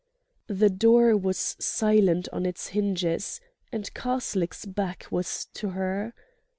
The door was silent on its hinges, and Karslake's back was to her.